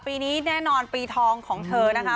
ปีนี้แน่นอนปีทองของเธอนะคะ